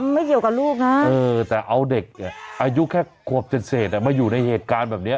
ไม่เกี่ยวกับลูกนะแต่เอาเด็กอายุแค่ขวบเศษมาอยู่ในเหตุการณ์แบบนี้